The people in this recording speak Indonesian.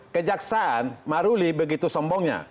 kejaksaan maruli begitu sombongnya